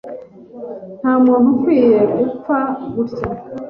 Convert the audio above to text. Ntamuntu ukwiriye gupfa gutya.